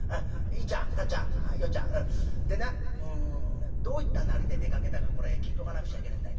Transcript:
いっちゃんたっちゃんよっちゃんでなどういったなりで出かけたかこれ聞いとかなくちゃいけねえんだ。